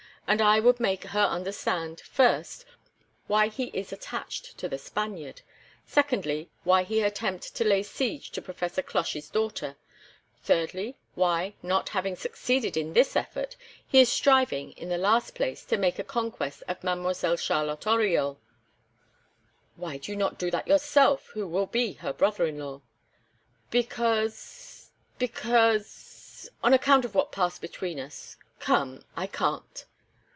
And I would make her understand, first, why he is attached to the Spaniard; secondly, why he attempted to lay siege to Professor Cloche's daughter; thirdly, why, not having succeeded in this effort, he is striving, in the last place, to make a conquest of Mademoiselle Charlotte Oriol." "Why do you not do that, yourself, who will be her brother in law?" "Because because on account of what passed between us come! I can't."